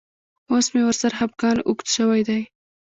اوس مې ورسره خپګان اوږد شوی دی.